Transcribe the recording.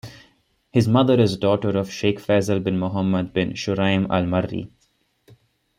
His mother is a daughter of Sheikh Faisal bin Muhammad bin Shuraim Al Marri.